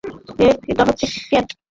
ও হচ্ছে ক্যাট!